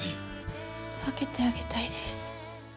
分けてあげたいです